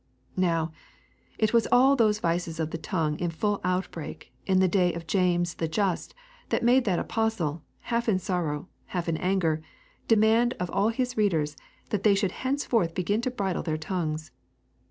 Now, it was all those vices of the tongue in full outbreak in the day of James the Just that made that apostle, half in sorrow, half in anger, demand of all his readers that they should henceforth begin to bridle their tongues.